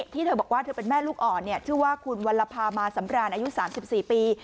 ที่เธอบอกว่าเธอเป็นแม่ลูกอ่อนชื่อว่าคุณวัลภามาสำราญอายุ๓๔ปี